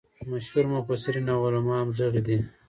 مشهور مفسرین او علما همغږي دي.